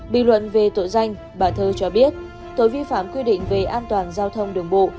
bị luận về tội danh bà thơ cho biết tội vi phạm quy định về an toàn giao thông đường bộ